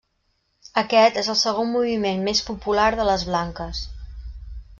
Aquest és el segon moviment més popular per les blanques.